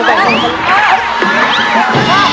ทำมักกันเป็นไหนวะ